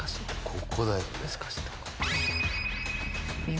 ここだよね。